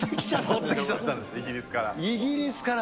持ってきちゃったんです、イギリスから。